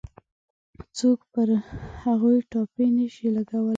څوک پر هغوی ټاپې نه شي لګولای.